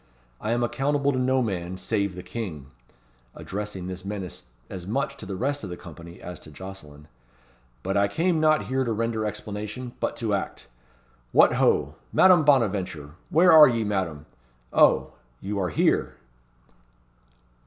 I am accountable to no man save the King," addressing this menace as much to the rest of the company as to Jocelyn. "But I came not here to render explanation, but to act. What, ho! Madame Bonaventure! Where are ye, Madame? Oh! you are here!"